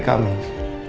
dia yang membunuh roy